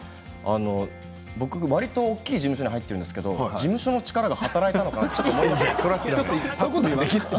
僕、わりと大きな事務所に入っているんですが事務所の力が働いたのかなと思って。